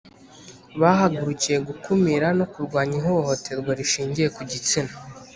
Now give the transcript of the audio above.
Bahagurikiye gukumira no kurwanya ihohoterwa rishingiye ku gitsina